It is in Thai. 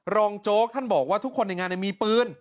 โจ๊กท่านบอกว่าทุกคนในงานมีปืน